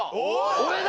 俺だ！